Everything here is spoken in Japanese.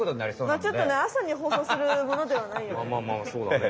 まあちょっとねあさにほうそうするものではないよね。